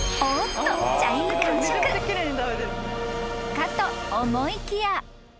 ［かと思いきや］